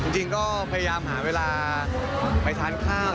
จริงก็พยายามหาเวลาไปทานข้าว